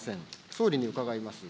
総理に伺います。